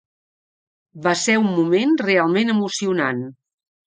Va ser un moment realment emocionant.